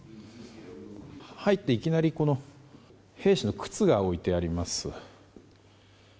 入っていきなり兵士の靴が置いてあります。